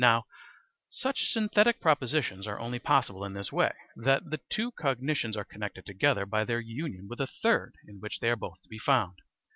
Now such synthetic propositions are only possible in this way: that the two cognitions are connected together by their union with a third in which they are both to be found.